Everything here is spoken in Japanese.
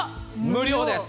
無料です。